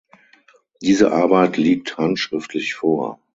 Diese Arbeit liegt handschriftlich vor.